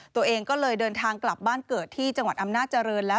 ตัวเองก็เลยเดินทางกลับบ้านเกิดที่จังหวัดอำนาจริงแล้ว